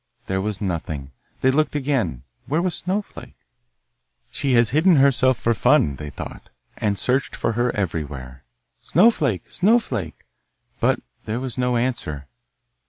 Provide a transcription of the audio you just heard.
There was nothing. They looked again. Where was Snowflake? She has hidden herself for fun, they thought, and searched for her everywhere. 'Snowflake! Snowflake!' But there was no answer.